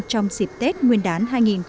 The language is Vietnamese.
trong dịp tết nguyên đán hai nghìn một mươi chín